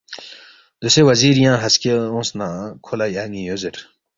دوسے وزیر ینگ ہسکے اونگس نہ کھو لہ یان٘ی یو زیر